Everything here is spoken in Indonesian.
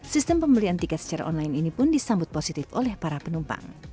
sistem pembelian tiket secara online ini pun disambut positif oleh para penumpang